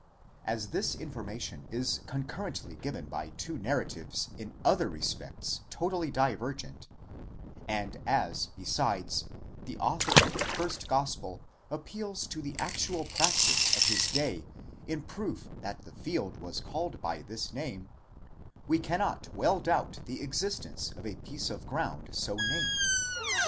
As this information is con currently given by two narratives in other respects totally divergent, and as, besides, the author of the first gospel appeals to the actual practice of his day in proof that the field was called by this name: we cannot well doubt the existence of a piece of ground so named.